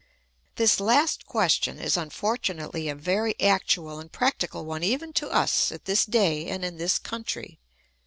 This last question is unfortunately a very actual and practical one even to us at this day and in this country.